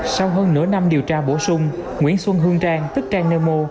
sau hơn nửa năm điều tra bổ sung nguyễn xuân hương trang tức trang nemo